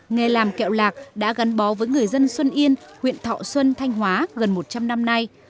nghề làm kẹo lạc đã gắn bó với người dân xuân yên huyện thọ xuân thanh hóa gần một trăm linh năm nay